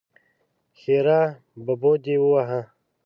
ښېرا: ببو دې ووهه!